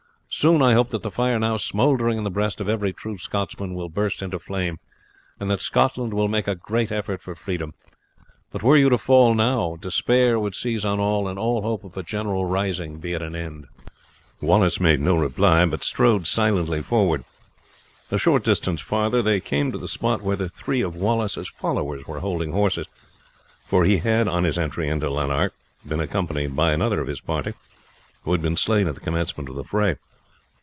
Soon I hope that the fire now smouldering in the breast of every true Scotsman will burst into flame, and that Scotland will make a great effort for freedom; but were you to fall now, despair would seize on all and all hope of a general rising be at an end." Wallace made no reply, but strode silently forward. A short distance farther they came to the spot where three of Wallace's followers were holding horses, for he had on his entry into Lanark, been accompanied by another of his party, who had been slain at the commencement of the fray.